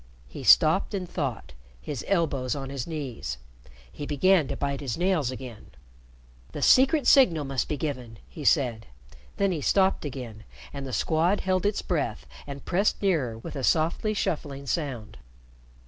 He stopped and thought, his elbows on his knees. He began to bite his nails again. "The Secret Signal must be given," he said. Then he stopped again, and the Squad held its breath and pressed nearer with a softly shuffling sound.